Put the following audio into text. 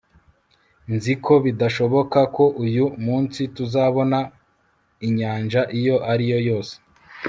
nzi ko bidashoboka ko uyu munsi tuzabona inyanja iyo ari yo yose